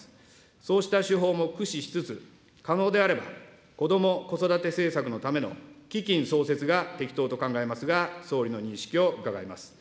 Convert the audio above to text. そうした手法も駆使しつつ、可能であれば、こども・子育て政策のための基金創設が適当と考えますが、総理の認識を伺います。